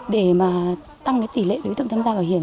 để mà tăng cái tỷ lệ đối tượng tham gia bảo hiểm